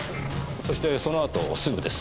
そしてその後すぐです。